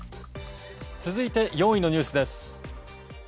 続いて４位のニュースです。